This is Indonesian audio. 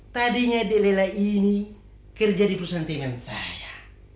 tadinya dedeira ini kerja di perusahaan teman saya